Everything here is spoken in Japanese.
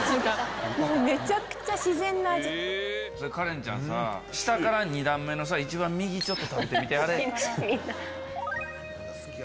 カレンちゃんさ下から２段目の一番右食べてみて。